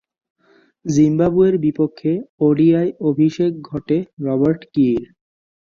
জিম্বাবুয়ের বিপক্ষে ওডিআই অভিষেক ঘটে রবার্ট কী’র।